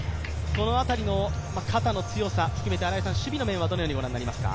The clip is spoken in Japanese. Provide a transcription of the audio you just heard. この辺りの肩の強さ、守備の面、どうご覧になりますか。